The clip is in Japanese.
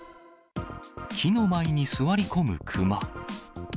木の前に座り込むクマ。